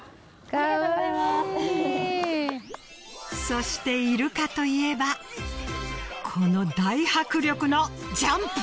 そしてイルカといえばこの大迫力のジャンプ！